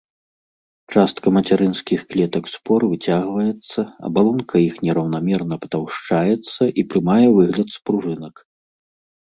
Частка мацярынскіх клетак спор выцягваецца, абалонка іх нераўнамерна патаўшчаецца і прымае выгляд спружынак.